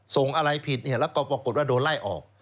ส่งอะไรผิดแล้วก็ปรากฏว่าโดนไล่ออก